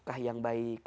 nafkah yang baik